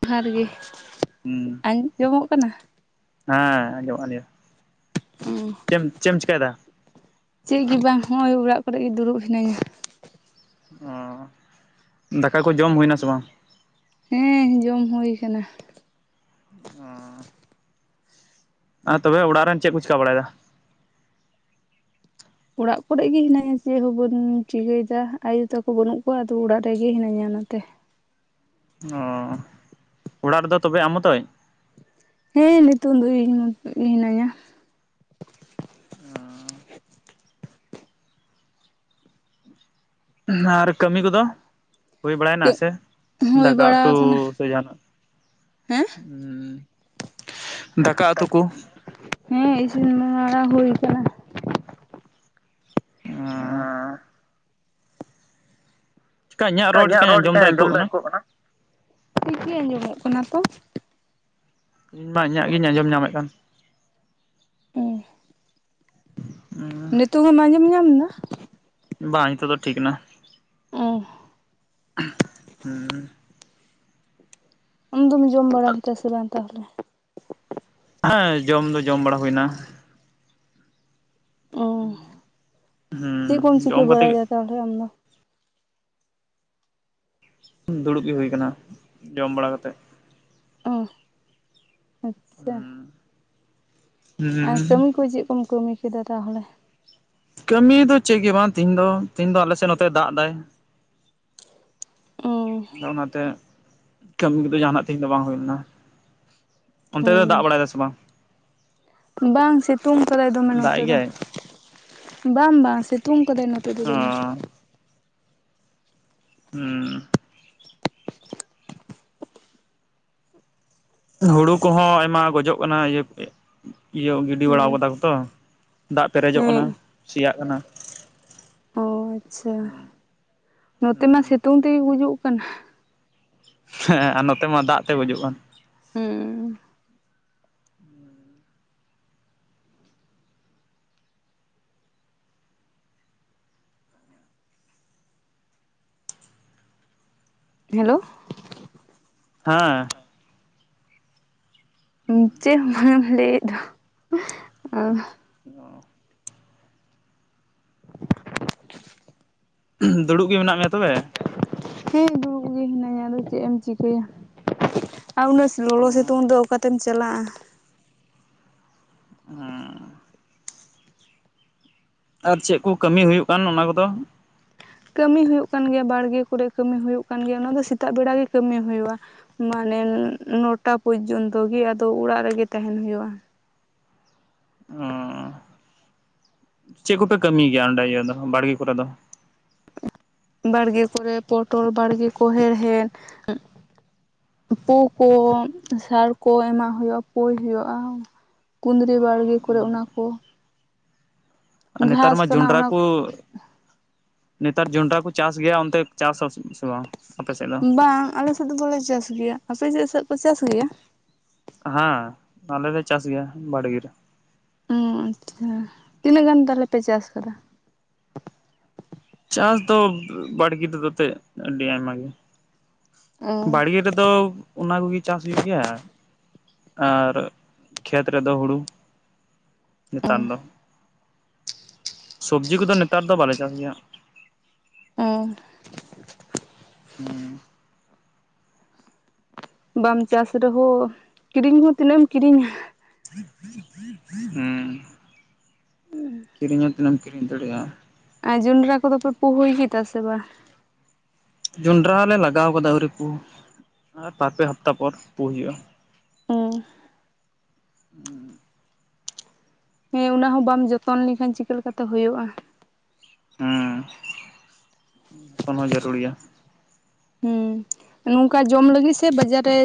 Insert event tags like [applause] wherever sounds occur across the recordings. ᱡᱚᱦᱟᱨ ᱜᱮ ᱦᱩᱸ ᱟᱸᱡᱚᱢᱚᱜ ᱠᱟᱱᱟ ᱦᱮᱸ ᱟᱸᱡᱚᱢᱚᱜ ᱞᱮᱭᱟ ᱚᱸ ᱪᱮᱢ ᱪᱮᱜ ᱮᱢ ᱪᱤᱠᱟᱹᱭᱮᱫᱟ ᱪᱮᱜ ᱜᱮ ᱵᱟᱝ ᱦᱚᱜ-ᱚᱭ ᱚᱲᱟᱜ ᱠᱚᱨᱮ ᱜᱮ ᱫᱩᱲᱩᱵ ᱦᱤᱱᱟᱹᱧᱟ ᱚ ᱫᱟᱠᱟ ᱠᱚ ᱡᱚᱢ ᱦᱩᱭᱱᱟ ᱥᱮ ᱵᱟᱝ ᱦᱮᱸ ᱡᱚᱢ ᱦᱳᱭ ᱠᱟᱱᱟ ᱚᱸ ᱟᱨ ᱛᱚᱵᱮ ᱚᱲᱟᱜ ᱨᱮᱱ ᱪᱮᱜ ᱠᱚ ᱪᱤᱠᱟᱹ ᱵᱟᱲᱟᱭ ᱫᱟ ᱚᱲᱟᱜ ᱠᱚᱨᱮᱜ ᱜᱮ ᱦᱤᱱᱟᱹᱧᱟ ᱪᱮᱜ ᱦᱚᱸ ᱵᱟᱱ ᱪᱤᱠᱟᱹᱭᱮᱫᱟ ᱟᱭᱩ ᱛᱟᱠᱚ ᱵᱟᱹᱱᱩᱜ ᱠᱚᱣᱟ ᱛᱚ ᱚᱲᱟᱜ ᱨᱮᱜᱮ ᱦᱤᱱᱟᱹᱧᱟ ᱚᱱᱟᱛᱮ ᱚ ᱚᱲᱟᱜ ᱨᱮᱫᱚ ᱛᱚᱵᱮ ᱟᱢ ᱢᱚᱛᱚᱭ ᱦᱮᱸ ᱱᱤᱛᱚᱝ ᱫᱚ ᱤᱧ ᱢᱚᱛᱚ ᱦᱤᱱᱟᱹᱧᱟ ᱚᱸ ᱟᱨ ᱠᱟᱹᱢᱤ ᱠᱚᱫᱚ ᱦᱳᱭ ᱵᱟᱲᱟᱭᱱᱟ ᱥᱮ ᱦᱩᱭ ᱫᱟᱠᱟ ᱩᱛᱩ ᱵᱟᱲᱟ ᱟᱠᱟᱱᱟ ᱥᱮ ᱡᱟᱦᱟᱱᱟᱜ ᱦᱮᱸ ᱩᱸ ᱫᱟᱠᱟ ᱩᱛᱩ ᱠᱚ ᱦᱮᱸ ᱤᱥᱤᱱ ᱵᱟᱲᱟ ᱦᱩᱭ ᱠᱟᱱᱟ ᱟᱸ ᱠᱟ ᱤᱧᱟᱹᱜ ᱨᱚᱲ ᱪᱮᱠᱟᱹᱧ ᱟᱸᱡᱚᱢ ᱫᱟ ᱮᱠᱚᱜ ᱠᱟᱱᱟ ᱴᱷᱤᱠ ᱜᱮ ᱟᱸᱡᱚᱢᱚᱜ ᱠᱟᱱᱟ ᱛᱚ ᱢᱟ ᱤᱧᱟᱹᱜ ᱜᱤᱧ ᱟᱸᱡᱚᱢ ᱧᱟᱢᱮᱜ ᱠᱟᱱ ᱦᱮᱸ ᱱᱤᱛᱚᱝ ᱦᱚᱸᱢ ᱟᱡᱚᱢ ᱧᱟᱢ ᱫᱟ ᱵᱟᱝ ᱱᱤᱛᱚᱜ ᱫᱚ ᱴᱷᱤᱠ ᱱᱟ ᱚᱸ ᱦᱩᱸ ᱟᱢ ᱫᱚᱢ ᱡᱚᱢ ᱵᱟᱲᱟ ᱠᱮᱫᱟ ᱥᱮ ᱵᱟᱝ ᱛᱟᱦᱞᱮ? ᱟᱸᱭ ᱡᱚᱢ ᱫᱚ ᱡᱚᱢ ᱵᱟᱲᱟ ᱦᱩᱭᱮᱱᱟ᱾ ᱚᱸ ᱪᱮᱜ ᱦᱩᱸ ᱠᱚᱢ ᱪᱤᱠᱟᱹ ᱡᱚᱢ ᱠᱟᱛᱮ ᱵᱟᱲᱟᱭᱮᱫᱟ ᱛᱟᱦᱞᱮ ᱟᱢᱫᱚ? ᱫᱩᱲᱩᱵ ᱜᱮ ᱦᱩᱭ ᱠᱟᱱᱟ ᱡᱚᱢ ᱵᱟᱲᱟ ᱠᱟᱛᱮᱫ᱾ ᱚ ᱟᱪᱪᱷᱟ ᱦᱩᱸ ᱟᱨ ᱠᱟᱹᱢᱤ ᱠᱚ ᱪᱮᱜ ᱠᱚᱢ ᱠᱟᱹᱢᱤ ᱠᱮᱫᱟ ᱛᱟᱦᱞᱮ? ᱠᱟᱹᱢᱤ ᱫᱚ ᱪᱮᱜ ᱜᱮ ᱵᱟᱝ ᱛᱮᱦᱮᱧ ᱫᱚ ᱛᱮᱦᱤᱧ ᱫᱚ ᱟᱞᱮᱥᱮᱜ ᱱᱚᱛᱮ ᱫᱟᱜᱽ ᱫᱟᱭ᱾ ᱟᱫᱚ ᱚᱱᱟᱛᱮ ᱠᱟᱹᱢᱤ ᱠᱚᱫᱚ ᱡᱟᱦᱟᱱᱟᱜ ᱛᱮᱦᱤᱧ ᱫᱚ ᱵᱟᱝ ᱦᱩᱭ ᱞᱮᱱᱟ᱾ ᱚᱱᱛᱮ ᱫᱚ ᱫᱟᱜ ᱵᱟᱲᱟᱭᱫᱟ ᱥᱮ ᱵᱟᱝ? ᱵᱟᱝ ᱥᱤᱛᱩᱝ ᱠᱟᱫᱟᱭ ᱫᱚᱢᱮ ᱫᱟᱜ ᱱᱚᱛᱮ ᱮᱜ ᱫᱚ ᱜᱮᱭᱟᱭ ᱵᱟᱝ ᱵᱟᱝ ᱥᱤᱛᱩ ᱛᱩᱝ ᱠᱟᱫᱟᱭ ᱱᱚᱛᱮ ᱫᱚ ᱚ ᱫᱚᱢᱮ ᱦᱩᱸ ᱦᱩᱲᱩ ᱠᱚᱦᱚᱸ ᱟᱭᱢᱟ ᱜᱚᱡᱚᱜ ᱠᱟᱱᱟ ᱤᱭᱟᱹ ᱤᱭᱟᱹᱣ ᱜᱤᱰᱤ ᱵᱟᱲᱟᱣᱟ ᱦᱩᱸ ᱠᱟᱫᱟ ᱠᱚ ᱛᱚ ᱫᱟᱜᱽ ᱯᱮᱨᱮᱡᱚᱜ ᱠᱟᱱᱟ ᱦᱮᱸ ᱥᱮᱭᱟᱜ ᱠᱟᱱᱟ᱾ ᱳ ᱟᱪᱪᱷᱟ ᱦᱩᱸ ᱱᱚᱛᱮ ᱢᱟ ᱥᱮᱛᱩᱝ ᱛᱮᱜᱮ ᱜᱩᱡᱩᱜᱽ ᱠᱟᱱᱟ᱾ ᱦᱮᱸ ᱱᱚᱛᱮ ᱢᱟ ᱫᱟᱜᱽ ᱛᱮ ᱜᱩᱡᱩᱜᱽ ᱠᱟᱱ᱾ ᱦᱩᱸ ᱦᱮᱞᱳ ᱦᱮᱸ ᱩᱸ ᱪᱮᱫ ᱵᱟᱝ ᱮᱢ ᱞᱟᱹᱭᱮᱫ ᱫᱚ ᱚᱸ᱾ ᱱᱚᱸ ᱩᱸᱜ ᱫᱩᱲᱩᱵ ᱜᱮ ᱢᱮᱱᱟᱜ ᱢᱮᱭᱟ ᱛᱚᱵᱮ? ᱦᱮᱸ ᱫᱩᱲᱩᱵ ᱜᱮ ᱦᱤᱱᱟᱹᱧᱟ ᱟᱫᱚ ᱪᱮᱫ ᱮᱢ ᱪᱤᱠᱟᱹᱭᱟ᱾ ᱟ ᱩᱱᱟᱹᱜ ᱥᱮ ᱞᱚᱞᱚ ᱚ ᱥᱤᱛᱩᱝ ᱫᱚ ᱚᱠᱟᱛᱮᱢ ᱪᱟᱞᱟᱜᱼᱟ᱾ ᱦᱩᱸ ᱟᱨ ᱪᱮᱜ ᱠᱚ ᱠᱟᱹᱢᱤ ᱦᱩᱭᱩᱜ ᱠᱟᱱ ᱚᱱᱟ ᱠᱚᱫᱚ ᱠᱟᱹᱢᱤ ᱦᱩᱭᱩᱜ ᱠᱟᱱ ᱜᱮᱭᱟ ᱵᱟᱲᱜᱮ ᱠᱚᱨᱮ ᱠᱟᱹᱢᱤ ᱦᱩᱭᱩᱜ ᱠᱟᱱ ᱜᱮᱭᱟ ᱚᱱᱟ ᱫᱚ ᱥᱮᱛᱟᱜ ᱵᱮᱲᱟ ᱜᱮ ᱠᱟᱹᱢᱤ ᱦᱩᱭᱩᱼᱟ ᱢᱟᱱᱮᱱ ᱱᱚᱴᱟ ᱯᱚᱡᱽᱱᱛᱚ ᱜᱮ ᱟᱫᱚ ᱚᱲᱟᱜ ᱨᱮᱜᱮ ᱛᱟᱦᱮᱱ ᱦᱩᱭᱩᱜᱼᱟ᱾ ᱚᱸ ᱪᱮᱫ ᱠᱚᱯᱮ ᱠᱟᱹᱢᱤᱭ ᱜᱮᱭᱟ ᱚᱸᱰᱮ ᱤᱭᱟᱹ ᱫᱚ ᱵᱟᱲᱜᱮ ᱠᱚᱨᱮ ᱫᱚ? ᱵᱟᱲᱜᱮ ᱠᱚᱨᱮ ᱯᱚᱴᱚᱞ ᱵᱟᱲᱜᱮ ᱠᱚ ᱦᱮᱲᱦᱮᱫ ᱩᱸ ᱯᱳ ᱠᱳ, ᱥᱟᱨ ᱠᱳ ᱮᱢᱟᱜ ᱦᱳᱭᱳᱜᱼᱟ ᱯᱳᱭ ᱦᱳᱭᱳᱜᱼᱟ᱾ ᱠᱩᱸᱫᱽᱨᱤ ᱵᱟᱲᱜᱮ ᱠᱚᱨᱮ ᱚᱱᱟ ᱠᱳ᱾ ᱟᱨ ᱱᱮᱛᱟᱨ ᱢᱟ ᱠᱟᱱᱟ ᱡᱚᱱᱰᱽᱨᱟ ᱚᱱᱟ ᱠᱳ ᱱᱮᱛᱟᱨ ᱡᱚᱱᱰᱽᱨᱟ ᱠᱚ ᱪᱟᱥ ᱜᱮᱭᱟ ᱚᱱᱛᱮ ᱪᱟᱥ ᱟ ᱥᱮ ᱥᱮ ᱵᱟᱝ? ᱟᱯᱮ ᱥᱮᱫ ᱫᱚ? ᱵᱟᱝ ᱟᱞᱮ ᱥᱮᱫ ᱫᱚ ᱵᱚᱞᱮ ᱪᱟᱥ ᱜᱮᱭᱟ, ᱟᱯᱮ ᱥᱮᱪ ᱥᱮᱪ ᱠᱚ ᱪᱟᱥ ᱜᱮᱭᱟ? ᱦᱟᱸ ᱟᱞᱮ ᱞᱮ ᱪᱟᱥ ᱜᱮᱭᱟ ᱵᱟᱲᱜᱮ ᱨᱮ᱾ ᱚᱸ ᱟᱪᱪᱷᱟ ᱛᱤᱱᱟᱹᱜ ᱜᱟᱱ ᱛᱟᱦᱞᱮ ᱯᱮ ᱪᱟᱥ ᱠᱟᱫᱟ? ᱪᱟᱥ ᱫᱚ ᱵᱟᱲᱜᱤ ᱛᱮᱫᱚ ᱛᱮᱫ ᱟᱹᱰᱤ ᱟᱭᱢᱟ ᱜᱮ᱾ ᱚ ᱵᱟᱲᱜᱮ ᱨᱮᱫᱚ ᱚᱱᱟ ᱠᱚᱜᱮ ᱪᱟᱥ ᱦᱩᱭᱩᱜ ᱜᱮᱭᱟ᱾ ᱟᱨ ᱠᱷᱮᱛ ᱨᱮᱫᱚ ᱦᱩᱲᱩ, ᱚ ᱪᱮᱛᱟᱨ ᱫᱚ ᱥᱚᱵᱽᱡᱤ ᱠᱚᱫᱚ ᱱᱮᱛᱟᱨ ᱫᱚ ᱵᱟᱞᱮ ᱪᱟᱥ ᱜᱮᱭᱟ᱾ ᱚᱸᱦ ᱦᱩᱸ ᱵᱟᱢ ᱪᱟᱥ ᱨᱮᱦᱳ ᱠᱤᱨᱤᱧ ᱦᱚᱸ ᱛᱤᱱᱟᱹᱜ ᱮᱢ ᱠᱤᱨᱤᱧᱟᱻᱦᱟ᱾ ᱩᱸ ᱠᱤᱨᱤᱧ ᱦᱚ ᱛᱤᱱᱟᱹᱢ ᱠᱤᱨᱤᱧ ᱫᱟᱲᱮᱭᱟᱜᱼᱟ᱾ ᱟ ᱡᱚᱸᱰᱽᱨᱟ ᱠᱚᱫᱚ ᱯᱮ ᱯᱩ ᱦᱩᱭ ᱠᱮᱫᱟ ᱥᱮ ᱵᱟᱝ? ᱡᱚᱸᱰᱽᱨᱟ ᱞᱮ ᱞᱟᱜᱟᱣ ᱠᱟᱫᱟ ᱟᱹᱣᱨᱤ ᱯᱩ, ᱟᱨ ᱵᱟᱨ ᱯᱮ ᱦᱟᱯᱛᱟ ᱯᱚᱨ ᱯᱳ ᱦᱩᱭᱩᱜᱼᱟ᱾ ᱩᱸ ᱩᱸᱢ ᱦᱮᱸ ᱚᱱᱟ ᱦᱚᱸ ᱵᱟᱢ ᱡᱚᱛᱚᱱ ᱞᱮᱠᱷᱟᱱ ᱪᱤᱠᱟᱹ ᱞᱮᱠᱟᱛᱮ ᱦᱩᱭᱩᱜᱼᱟ᱾ ᱦᱩᱸ ᱡᱚᱛᱚᱱ ᱦᱚᱸ ᱡᱟᱹᱨᱩᱲ ᱭᱟ ᱦᱩᱸ ᱱᱚᱝᱠᱟ ᱡᱚᱢ ᱞᱟᱹᱜᱤᱫ ᱥᱮ ᱵᱟᱡᱟᱨ ᱨᱮ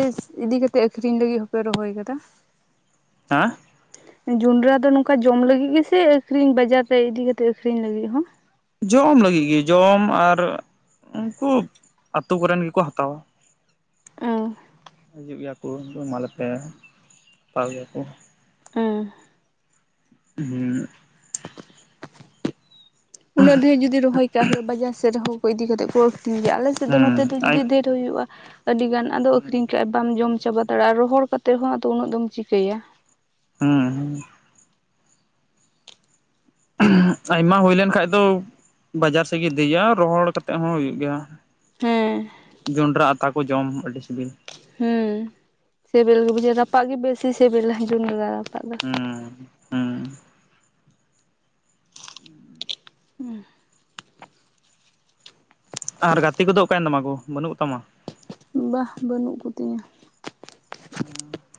ᱤᱫᱤ ᱠᱟᱛᱮ ᱟᱹᱠᱷᱨᱤᱧ ᱞᱟᱹᱜᱤᱫ ᱦᱚᱸ ᱯᱮ ᱨᱚᱦᱚᱭ ᱠᱟᱫᱟ ᱦᱮᱸᱦ [unintelligible] ᱡᱚᱸᱰᱽᱨᱟ ᱫᱚ ᱱᱚᱝᱠᱟ ᱡᱚᱢ ᱞᱟᱹᱜᱤᱫ ᱜᱮ ᱥᱮ ᱟᱹᱠᱷᱨᱤᱧ ᱵᱟᱡᱟᱨ ᱨᱮ ᱤᱫᱤ ᱠᱟᱛᱮᱜ ᱟᱹᱠᱷᱨᱤᱧ ᱞᱟᱹᱜᱤᱫ ᱦᱚᱸ ᱡᱚᱢ ᱞᱟᱹᱜᱤᱜ ᱜᱮ ᱡᱚᱢ ᱟᱨ ᱩᱱᱠᱩ ᱟᱛᱳ ᱠᱚᱨᱮᱱ ᱜᱮᱠᱚ ᱦᱟᱛᱟᱣᱟ ᱚᱦ ᱦᱤᱡᱩᱜ ᱜᱮᱭᱟ ᱠᱚ ᱮᱢᱟ ᱞᱮᱯᱮ ᱦᱟᱛᱟᱣ ᱜᱮᱭᱟ ᱠᱚ ᱩᱸ ᱦᱩᱸ ᱩᱱᱟᱹᱜ ᱰᱷᱮᱨ ᱡᱩᱫᱤ ᱨᱚᱦᱚᱭ ᱠᱟᱜ ᱦᱩᱭᱩᱜᱼᱟ ᱵᱟᱡᱟᱨ ᱥᱮᱫ ᱨᱮ ᱦᱚᱸ ᱦᱚᱲ ᱠᱚ ᱤᱫᱤ ᱠᱟᱛᱮ ᱠᱚ ᱟᱹᱠᱷᱨᱤᱧ ᱜᱮᱭᱟ, ᱟᱞᱮ ᱥᱮᱫ ᱫᱚ ᱱᱚᱛᱮ ᱦᱩᱸ ᱫᱚ ᱡᱩᱫᱤ ᱟᱡ ᱫᱷᱮᱨ ᱫᱚ ᱦᱩᱭᱩᱜᱼᱟ ᱟᱹᱰᱤ ᱜᱟᱱ ᱟᱫᱚ ᱦᱩᱸ ᱟᱹᱠᱷᱨᱤᱧ ᱠᱟᱜᱼᱟ ᱵᱟᱢ ᱡᱚᱢ ᱪᱟᱵᱟ ᱫᱟᱲᱮᱜᱼᱟ ᱨᱚᱦᱚᱲ ᱠᱟᱛᱮᱫ ᱦᱚᱸ ᱟᱫᱚ ᱩᱱᱟᱹᱜ ᱫᱚᱢ ᱪᱤᱠᱟᱹᱭᱟ ᱦᱩᱸ ᱩᱸ ᱟᱭᱢᱟ ᱦᱩᱭᱞᱮᱱ ᱠᱷᱟᱡ ᱫᱚ ᱵᱟᱡᱟᱨ ᱥᱮᱫ ᱜᱮ ᱤᱫᱤᱭᱟ ᱨᱚᱦᱚᱲ ᱠᱟᱛᱮᱜ ᱦᱚᱸ ᱦᱩᱭᱩᱜ ᱜᱮᱭᱟ ᱦᱮᱸ ᱡᱚᱸᱰᱽᱨᱟ ᱟᱛᱟ ᱠᱚ ᱡᱚᱢ ᱟᱹᱰᱤ ᱥᱤᱵᱤᱞ ᱦᱩᱸ ᱥᱤᱵᱤᱞ ᱜᱮ ᱵᱩᱡᱷᱟᱹᱜ ᱨᱟᱯᱟᱜ ᱜᱮ ᱵᱮᱥᱤ ᱥᱤᱵᱤᱞᱟ ᱡᱚᱱᱰᱽᱨᱟ ᱨᱟᱯᱟᱜ ᱫᱚ ᱦᱮᱸ ᱦᱩᱸ ᱦᱩᱸ ᱟᱨ ᱜᱟᱛᱤ ᱠᱚᱫᱚ ᱚᱠᱟᱭᱮᱱ ᱛᱟᱢᱟ ᱠᱚ ᱵᱟᱹᱱᱩᱜ ᱠᱚᱛᱟᱢᱟ ᱵᱟ ᱵᱟᱹᱱᱩᱜ ᱠᱚᱛᱤᱧᱟᱹ [inaudible]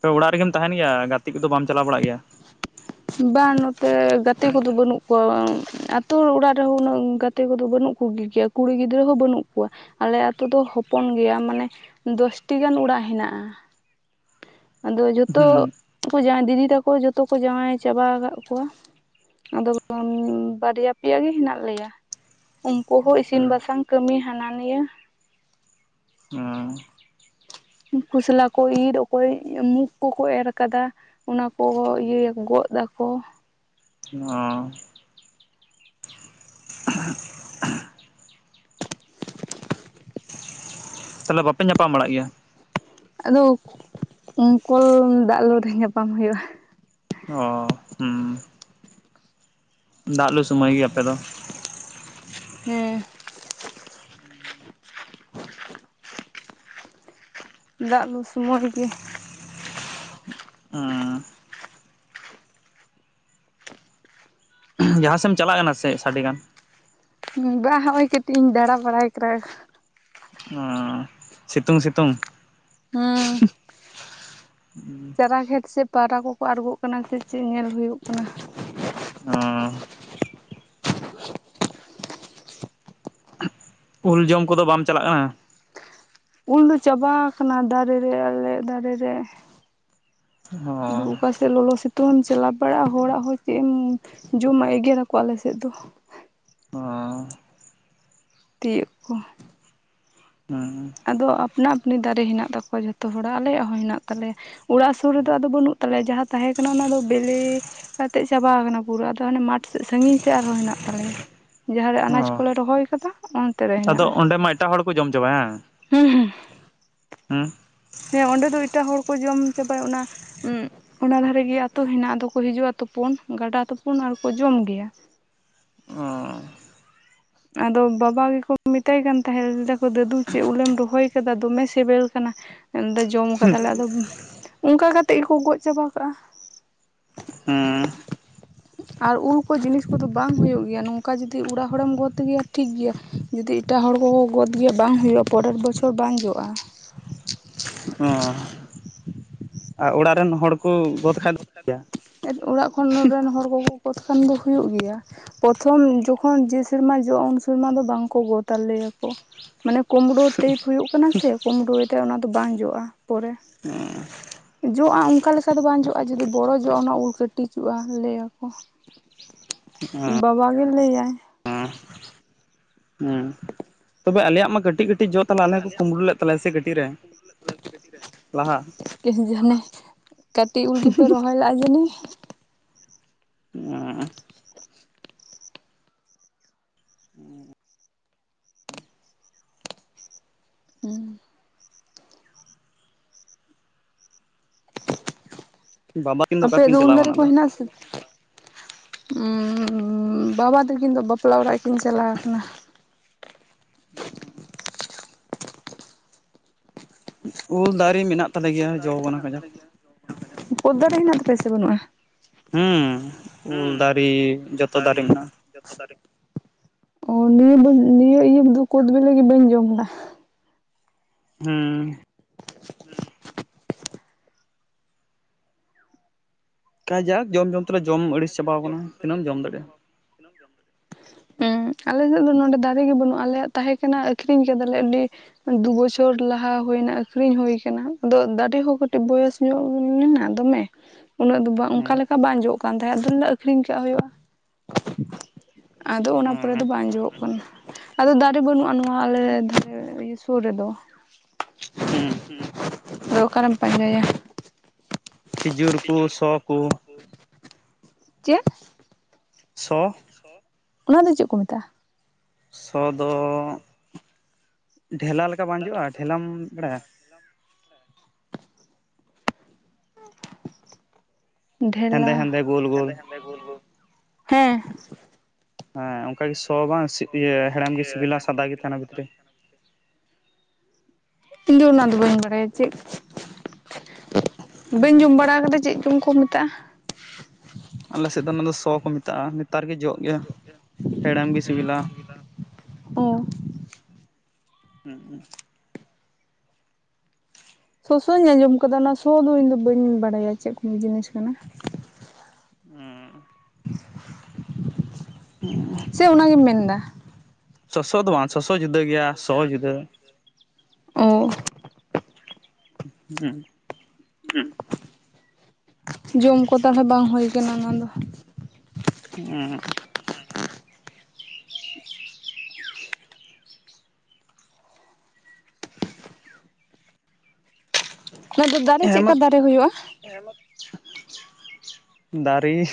ᱛᱚᱵᱮ ᱚᱲᱟᱜ ᱨᱮᱜᱮᱢ ᱛᱟᱦᱮᱱ ᱜᱮᱭᱟ ᱜᱟᱛᱤ ᱠᱚᱫᱚ ᱵᱟᱢ ᱪᱟᱞᱟᱣ ᱵᱟᱲᱟᱜ ᱜᱮᱭᱟ? ᱵᱟᱝ ᱱᱚᱛᱮ ᱜᱟᱛᱮ ᱠᱚᱫᱚ ᱵᱟᱹᱱᱩᱜ ᱠᱚᱣᱟ ᱟᱹᱛᱩ ᱚᱲᱟᱜ ᱨᱮᱦᱚᱸ ᱩᱱᱟᱹᱜ ᱜᱟᱛᱮ ᱠᱚᱫᱚ ᱵᱟᱹᱱᱩᱜ ᱠᱚ ᱜᱮᱭᱟ᱾ ᱠᱩᱲᱤ ᱜᱤᱫᱽᱨᱟᱹ ᱦᱚᱸ ᱵᱟᱹᱱᱩᱜ ᱠᱚᱣᱟ ᱟᱞᱮ ᱟᱛᱳ ᱫᱚ ᱦᱚᱯᱚᱱ ᱜᱮᱭᱟ ᱢᱟᱱᱮ ᱫᱚᱥᱴᱤ ᱜᱟᱱ ᱚᱲᱟᱜ ᱦᱮᱸᱱᱟᱜᱼᱟ ᱟᱫᱚ ᱡᱚᱛᱚ ᱦᱩᱸ ᱫᱤᱫᱤ ᱛᱟᱠᱚ ᱡᱚᱛᱚ ᱠᱚ ᱡᱟᱶᱟᱭ ᱪᱟᱵᱟ ᱟᱠᱟᱫ ᱠᱚᱣᱟ ᱟᱫᱚ ᱵᱟᱨᱭᱟ ᱯᱮᱭᱟ ᱜᱮ ᱦᱮᱱᱟᱜ ᱞᱮᱭᱟ ᱩᱱᱠᱩ ᱦᱚᱸ ᱤᱥᱤᱱ ᱦᱩᱸ ᱵᱟᱥᱟᱝ ᱠᱟᱹᱢᱤ ᱦᱟᱱᱟ ᱱᱤᱭᱟᱹ ᱚᱸ ᱠᱷᱚᱥᱞᱟ ᱠᱚ ᱤᱨ ᱚᱠᱚᱭ ᱢᱩᱠ ᱠᱚᱠᱚ ᱮᱨ ᱠᱟᱫᱟ ᱚᱱᱟ ᱠᱚ ᱤᱭᱟᱹᱭᱟᱠᱚ ᱜᱚᱫ ᱫᱟᱠᱚ ᱚᱸ ᱛᱟᱞᱦᱮ ᱵᱟᱯᱮ ᱧᱟᱯᱟᱢ ᱵᱟᱲᱟᱜ ᱜᱮᱭᱟ ᱟᱫᱚ ᱠᱚᱞ ᱫᱟᱜ ᱞᱩᱨᱮ ᱧᱟᱯᱟᱢ ᱦᱩᱭᱩᱜᱼᱟ ᱚ ᱦᱩᱸ ᱫᱟᱜ ᱞᱩ ᱥᱚᱢᱚᱭ ᱜᱮ ᱟᱯᱮ ᱫᱚ ᱦᱮᱸ ᱫᱟᱜ ᱞᱩ ᱥᱩᱢᱚᱭ ᱜᱮ ᱩᱸ ᱡᱟᱦᱟᱸ ᱥᱮᱫ ᱮᱢ ᱪᱟᱞᱟᱜ ᱠᱟᱱᱟ ᱥᱮ ᱪᱮᱫ ᱥᱟᱰᱮ ᱠᱟᱱ ᱵᱟᱸᱦ ᱠᱟᱹᱴᱤᱡ ᱤᱧ ᱫᱟᱬᱟ ᱵᱟᱲᱟᱭ ᱠᱟᱱᱟ ᱚᱻ ᱥᱤᱸᱛᱩᱝ ᱥᱤᱸᱛᱩᱝ ᱦᱩᱸ ᱪᱟᱨᱟ ᱠᱷᱮᱸᱛ ᱥᱮᱪ ᱯᱟᱣᱨᱟ ᱠᱚᱠᱚ ᱟᱬᱜᱳᱜ ᱠᱟᱱᱟ ᱥᱮ ᱪᱮᱫ ᱧᱮᱞ ᱦᱩᱭᱩᱜ ᱠᱟᱱᱟ ᱚᱻ ᱩᱞ ᱡᱚᱢ ᱠᱚᱫᱚ ᱵᱟᱢ ᱪᱟᱞᱟᱜ ᱠᱟᱱᱟ? ᱩᱞ ᱫᱚ ᱪᱟᱵᱟ ᱟᱠᱟᱱᱟ ᱫᱟᱨᱮ ᱨᱮ ᱟᱞᱮ ᱫᱟᱨᱮ ᱨᱮ ᱟᱫᱚ ᱦᱚᱸ ᱚᱠᱟ ᱞᱚᱞᱚ ᱥᱤᱸᱛᱩᱝᱮᱢ ᱪᱟᱞᱟᱣ ᱵᱟᱲᱟᱜᱼᱟ ᱦᱚᱲᱟᱜ ᱦᱚᱸ ᱪᱮᱫ ᱮᱢ ᱡᱚᱢᱟ ᱮᱜᱮᱨ ᱨᱟᱠᱚ ᱟᱞᱮ ᱥᱮᱫ ᱫᱚ ᱚ [unintelligible] ᱛᱤᱭᱚᱜ ᱠᱚ ᱦᱩᱸ ᱟᱫᱚ ᱟᱯᱱᱟ ᱟᱯᱱᱤ ᱫᱟᱨᱮ ᱦᱮᱱᱟᱜ ᱛᱟᱠᱚᱣᱟ ᱡᱚᱛᱚ ᱦᱚᱲᱟᱜ, ᱟᱞᱮᱭᱟᱜ ᱦᱚᱸ ᱦᱮᱱᱟᱜ ᱛᱟᱞᱮᱭᱟ ᱚᱲᱟᱜ ᱥᱩᱨ ᱨᱮᱫᱚ ᱟᱫᱚ ᱵᱟᱹᱱᱩᱜ ᱛᱟᱞᱮ ᱡᱟᱦᱟᱸ ᱛᱟᱦᱮᱸ ᱠᱟᱱᱟ ᱚᱱᱟ ᱫᱚ ᱵᱟᱹᱞᱤ ᱠᱟᱛᱮᱫ ᱪᱟᱵᱟ ᱟᱠᱟᱱᱟ ᱯᱩᱨᱟᱹ ᱟᱫᱚ ᱟᱱᱮ ᱢᱟᱴᱷ ᱥᱟᱺᱜᱤᱧ ᱥᱮᱫ ᱟᱨᱦᱚᱸ ᱦᱮᱱᱟᱜ ᱛᱟᱞᱮᱭᱟ ᱡᱟᱦᱟᱸᱨᱮ ᱟᱱᱟᱡᱽ ᱚ ᱠᱚᱞᱮ ᱨᱚᱦᱚᱭ ᱟᱠᱟᱫᱟ ᱚᱱᱛᱮ ᱨᱮ ᱟᱫᱚ ᱦᱮᱱᱟᱜᱼᱟ᱾ ᱚᱸᱰᱮ ᱢᱟ ᱮᱴᱟᱜ ᱦᱚᱲ ᱠᱚ ᱡᱚᱢ ᱪᱟᱵᱟ ᱦᱟᱝ ᱦᱩᱸ ᱦᱩᱸ᱾ ᱦᱮᱸ ᱚᱸᱰᱮ ᱫᱚ ᱮᱴᱟᱜ ᱦᱚᱲ ᱠᱚ ᱡᱚᱢ ᱪᱟᱵᱟᱭ ᱚᱱᱟ ᱚᱱᱟ ᱫᱷᱟᱨᱮ ᱨᱮᱜᱮ ᱟᱛᱩ ᱦᱮᱱᱟᱜ ᱫᱚᱠᱚ ᱦᱤᱡᱩᱜᱼᱟ ᱛᱩᱯᱩᱱ ᱜᱟᱰᱟ ᱛᱩᱯᱩᱱ ᱟᱨᱠᱚ ᱡᱚᱢ ᱜᱮᱭᱟ᱾ ᱚᱸ ᱟᱫᱚ ᱵᱟᱵᱟ ᱜᱮᱠᱚ ᱢᱮᱛᱟᱭ ᱠᱟᱱ ᱛᱟᱦᱮᱸᱫ ᱞᱟᱹᱭᱫᱟᱠᱚ ᱫᱟᱫᱩ ᱪᱮᱫ ᱩᱞᱮᱢ ᱨᱚᱦᱚᱭ ᱠᱟᱫᱟ ᱫᱚᱢᱮ ᱥᱤᱵᱤᱞ ᱠᱟᱱᱟ᱾ ᱸᱰᱮ ᱡᱚᱢ ᱠᱟᱫᱟᱞᱮ ᱟᱫᱚ ᱚᱱᱠᱟ ᱠᱟᱛᱮᱜ ᱜᱮᱠᱚ ᱜᱚᱡ ᱪᱟᱵᱟ ᱠᱟᱜᱼᱟ᱾ ᱦᱩᱹ ᱦᱮᱸ ᱟᱨ ᱩᱞᱠᱩ ᱡᱤᱱᱤᱥ ᱠᱚᱫᱚ ᱵᱟᱝ ᱦᱩᱭᱩᱜ ᱜᱮᱭᱟ ᱱᱚᱝᱠᱟ ᱡᱩᱫᱤ ᱚᱲᱟᱜ ᱦᱚᱲᱮᱢ ᱜᱚᱫ ᱛᱩ ᱜᱮᱭᱟ ᱴᱷᱤᱠ ᱜᱮᱭᱟ ᱡᱩᱫᱤ ᱮᱴᱟᱜ ᱦᱚᱲ ᱠᱚᱠᱚ ᱜᱚᱫ ᱜᱮᱭᱟ ᱵᱟᱝ ᱦᱩᱭᱩᱜᱼᱟ ᱯᱚᱨᱮᱨ ᱵᱚᱪᱷᱚᱨ ᱵᱟᱝ ᱡᱚᱜᱼᱟ᱾ ᱦᱩᱸ ᱟᱨ ᱚᱲᱟᱜ ᱨᱮᱱ ᱦᱚᱲ ᱠᱚ ᱜᱚᱫ ᱠᱷᱟᱱ᱾ ᱚᱲᱟᱜ ᱠᱷᱚᱱ ᱨᱮᱱ ᱦᱚᱲ ᱠᱚᱠᱚ ᱜᱚᱫ ᱠᱷᱟᱱ ᱫᱚ ᱦᱩᱭᱩᱜ ᱜᱮᱭᱟ᱾ ᱯᱨᱚᱛᱷᱚᱢ ᱡᱚᱠᱷᱚᱱ ᱡᱮ ᱥᱮᱨᱢᱟ ᱡᱚᱜᱼᱟ ᱩᱱ ᱥᱮᱨᱢᱟ ᱫᱚ ᱵᱟᱝᱠᱚ ᱜᱚ ᱛᱟᱞᱮ ᱭᱟᱠᱚ᱾ ᱢᱟᱱᱮ ᱠᱩᱢᱵᱽᱲᱩ ᱴᱮᱯ ᱦᱩᱭᱩᱜ ᱠᱟᱱᱟ ᱥᱮ ᱠᱩᱢᱵᱽᱲᱩᱭ ᱭᱮᱫᱟᱭ ᱚᱱᱟ ᱫᱚ ᱵᱟᱝ ᱡᱚᱜᱼᱟ ᱯᱚᱨᱮ᱾ ᱦᱩᱸᱻ [unintelligible] ᱡᱚᱜᱼᱟ ᱚᱱᱠᱟ ᱞᱮᱠᱟ ᱚᱱᱠᱟ ᱫᱚ ᱵᱟᱝ ᱡᱚᱜᱼᱟ ᱡᱩᱫᱤ ᱵᱚᱲᱚ ᱡᱚᱜᱼᱟ ᱚᱱᱟ ᱩᱞ ᱠᱟᱹᱴᱤᱡᱚᱜᱼᱟ ᱞᱟᱹᱭ ᱟᱠᱚ᱾ ᱵᱟᱵᱟ ᱜᱮ ᱞᱟᱹᱭᱟᱭ᱾ ᱦᱩᱸ ᱦᱩᱸ ᱛᱚᱵᱮ ᱟᱞᱮᱭᱟᱜ ᱢᱟ ᱠᱟᱹᱴᱤᱡ ᱠᱟᱹᱴᱤᱡ ᱡᱚ ᱛᱟᱮ ᱟᱞᱮ ᱦᱚᱸᱠᱚ ᱠᱩᱢᱵᱽᱲᱩ ᱞᱮᱫ ᱛᱟᱞᱮᱭᱟ ᱠᱟᱹᱴᱤᱡ? ᱨᱮ ᱞᱟᱦᱟ [unintelligible] ᱦᱟᱱᱮ ᱠᱟᱹᱴᱤᱡ ᱩᱞ ᱜᱮᱯᱮ ᱨᱚᱦᱚᱭ ᱞᱮ-ᱟ ᱡᱟᱱᱤ ᱩᱸᱻ [unintelligible] ᱦᱩᱸᱸ..... [unintelligible] ᱩᱸ ᱵᱟᱵᱟ ᱠᱤᱱ ᱚᱠᱟ ᱟᱯᱮᱭᱟᱜ ᱛᱮᱠᱤᱱ ᱫᱚ ᱩᱞ ᱪᱟᱞᱟᱣ ᱫᱟᱨᱮ ᱠᱟᱱᱟ ᱠᱚ ᱟᱫᱚ ᱦᱮᱱᱟᱜ ᱟᱥᱮ? ᱩᱸ ᱵᱟᱵᱟ ᱛᱟᱹᱠᱤᱱ ᱫᱚ ᱵᱟᱯᱞᱟ ᱚᱲᱟᱜ ᱠᱤᱱ ᱪᱟᱞᱟᱣ ᱟᱠᱟᱱᱟ᱾ ᱦᱩᱸ [unintelligible] ᱩᱞ ᱫᱟᱨᱮ ᱢᱮᱱᱟᱜ ᱛᱟᱞᱮ ᱹᱹᱹᱹᱹ ᱜᱮᱭᱟ ᱡᱚ ᱠᱟᱱᱟ ᱠᱟᱡᱟᱠ [unintelligible] ᱠᱚᱫ ᱫᱟᱨᱮ ᱢᱮᱱᱟᱜ ᱛᱟᱯᱮᱭᱟ ᱥᱮ ᱵᱟᱹᱱᱩᱜᱼᱟ? ᱦᱩᱸ ᱩᱞ ᱫᱟᱨᱮ ᱡᱚᱛᱚ ᱫᱟᱨᱮ ᱢᱮᱱᱟᱜᱼᱟ᱾ [unintelligible] ᱚ ᱱᱤᱭᱟᱹ ᱫᱚ ᱱᱤᱭᱟᱹ ᱤᱭᱟᱹᱫᱚ ᱠᱳᱫ ᱵᱤᱞᱤ ᱵᱟᱹᱧ ᱡᱚᱢ ᱫᱟᱹ᱾ ᱦᱩᱸ ᱦᱩᱸ... [inaudible] ᱠᱷᱟᱡᱟᱠ ᱡᱚᱢ ᱡᱚᱢ ᱛᱮᱞᱮ ᱡᱚᱢ ᱟᱹᱲᱤᱥ ᱪᱟᱵᱟ ᱟᱠᱟᱱᱟ ᱛᱤᱱᱟᱹᱜ ᱮᱢ ᱡᱚᱢ ᱫᱟᱲᱮᱭᱟᱜᱼᱟ᱾ ᱛᱤᱱᱟᱹᱜ ᱮᱢ ᱡᱚᱢ ᱫᱟᱲᱮ-ᱟ᱾ [unintelligible] ᱦᱩᱸ ᱟᱞᱮ ᱥᱮᱫ ᱫᱚ ᱱᱚᱰᱮ ᱫᱟᱨᱮ ᱜᱮ ᱵᱟᱹᱱᱩᱜᱼᱟ ᱟᱞᱮᱭᱟᱜ ᱛᱟᱦᱮᱸ ᱠᱟᱱᱟ ᱟᱠᱷᱨᱤᱧ ᱠᱮᱫᱟᱞᱮ ᱟᱹᱰᱤ᱾ ᱫᱩ ᱵᱚᱪᱷᱚᱨ ᱞᱟᱦᱟ ᱦᱩᱭᱮᱱᱟ ᱟᱹᱠᱷᱨᱤᱧ ᱦᱩᱭ ᱟᱠᱟᱱᱟ ᱟᱫᱚ ᱫᱟᱨᱮ ᱦᱚᱸ ᱠᱟᱹᱴᱤᱡ ᱵᱚᱭᱚᱥ ᱧᱚᱜ ᱢᱮᱱᱟᱜ ᱫᱚᱢᱮ ᱩᱱᱟᱹᱜ ᱫᱚ ᱚᱱᱠᱟ ᱦᱩᱸ ᱞᱮᱠᱟ ᱵᱟᱝ ᱡᱚᱜ ᱠᱟᱱ ᱛᱟᱦᱮᱸᱫ ᱟᱫᱚ ᱢᱮᱱ ᱫᱟᱹ ᱟᱹᱠᱷᱨᱤᱧ ᱠᱟᱜ ᱦᱩᱭᱩᱜᱼᱟ ᱾ ᱟᱫᱚ ᱚᱱᱟ ᱯᱚᱨᱮ ᱫᱚ ᱵᱟᱝ ᱡᱚᱜ ᱠᱟᱱᱟ᱾ ᱟᱫᱚ ᱫᱟᱨᱮ ᱵᱟᱹᱱᱩᱜᱼᱟ ᱱᱚᱣᱟ ᱟᱞᱮ ᱫᱷᱟᱨᱮ ᱥᱩᱨ ᱨᱮᱫᱚ᱾ ᱦᱩᱸ ᱚᱠᱟ ᱨᱮᱢ ᱯᱟᱸᱡᱟᱭᱟ ᱠᱷᱤᱸᱡᱩᱨ ᱠᱚ ᱥᱚ ᱠᱚ᱾ ᱪᱮᱫ? ᱥᱚ ᱥᱚ ᱚᱱᱟ ᱫᱚ ᱪᱮᱫ ᱠᱚ ᱢᱮᱛᱟᱜᱼᱟ ᱥᱚ ᱫᱚ ᱰᱷᱮᱞᱟ ᱞᱮᱠᱟ ᱵᱟᱝ ᱡᱚᱜᱼᱟ ᱰᱷᱮᱞᱟᱢ ᱵᱟᱲᱟᱭᱟ ᱰᱷᱮᱞᱟ ᱦᱮᱸᱫᱮ ᱦᱮᱸᱫᱮ ᱜᱳᱞ ᱦᱮᱸᱫᱮ ᱦᱮᱸᱫᱮ ᱜᱳᱞ ᱜᱳᱞ ᱦᱮᱸ ᱦᱮᱸ ᱚᱱᱠᱟ ᱜᱮ ᱥᱚ ᱵᱟᱝ ᱤᱭᱟᱹ ᱦᱮᱲᱮᱢ ᱜᱮ ᱥᱤᱵᱤᱞᱟ ᱥᱟᱫᱟ ᱜᱮ ᱛᱟᱦᱮᱱᱟ ᱵᱷᱤᱛᱤᱨ ᱨᱮ ᱤᱧ ᱫᱚ ᱚᱱᱟ ᱫᱚ ᱵᱟᱹᱧ ᱵᱟᱲᱟᱭᱟ ᱪᱮᱫ ᱵᱟᱹᱧ ᱡᱚᱢ ᱵᱟᱲᱟ ᱠᱟᱫᱟ ᱪᱮᱫ ᱡᱚᱢ ᱠᱚ ᱢᱮ ᱛᱟᱜ ᱟᱞᱮ ᱥᱮᱫ ᱫᱚ ᱚᱱᱟ ᱫᱚ ᱥᱚ ᱠᱚ ᱢᱮᱛᱟᱜᱼᱟ ᱱᱮᱛᱟᱨ ᱜᱮ ᱡᱚᱜ ᱜᱮᱭᱟ ᱦᱮᱲᱟᱢ ᱜᱮ ᱥᱤᱵᱤᱞᱟ ᱚ ᱦᱩᱸ [unintelligible] ᱥᱚᱥᱚᱧ ᱟᱸᱡᱚᱢ ᱟᱠᱟᱫᱟ ᱚᱱᱟ ᱥᱚ ᱫᱚ ᱤᱧ ᱫᱚ ᱵᱟᱹᱧ ᱵᱟᱲᱟᱭᱟ ᱪᱮᱫ ᱠᱚ ᱡᱤᱱᱤᱥ ᱠᱟᱱᱟ ᱦᱩᱸ ᱩᱸᱻ ᱪᱮᱫ ᱚᱱᱟᱜᱮᱢ ᱢᱮᱱ ᱮᱫᱟ ᱥᱚᱥᱚ ᱫᱚ ᱵᱟᱝ ᱥᱚᱥᱚ ᱡᱩᱫᱟᱹ ᱜᱮᱭᱟ ᱥᱚ ᱡᱩᱫᱟᱹ ᱳ ᱦᱮᱸ [unintelligible] ᱡᱚᱢ ᱠᱚ ᱛᱟᱦᱮ ᱵᱟᱝ ᱦᱩᱭ ᱠᱟᱱᱟ ᱚᱱᱟ ᱫᱚ ᱩᱦᱩᱸ [unintelligible] ᱚᱱᱟ ᱫᱚ ᱫᱟᱨᱮ ᱪᱮᱫ ᱞᱮᱠᱟ ᱫᱟᱨᱮ ᱦᱩᱭᱩᱜᱼᱟ ᱫᱟᱹᱨᱮ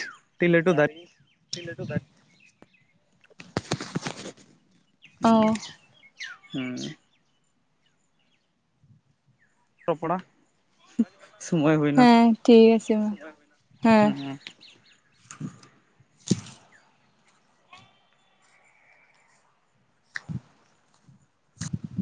ᱫᱟᱨᱮ ᱪᱮᱫ ᱞᱮᱠᱟ ᱫᱟᱨᱮ...... [inaudible] ᱦᱮᱸ ᱴᱚᱯᱲᱟ ᱥᱳᱢᱚᱭ ᱦᱩᱭᱱᱟ ᱦᱮᱸ ᱴᱷᱤᱠ ᱟᱪᱷᱮ ᱢᱟ ᱦᱮᱸ ᱦᱮᱸ